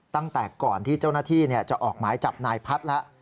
ตั้งแต่ก่อนที่เจ้าหน้าที่จะออกหมายจับนายพัฒน์แล้ว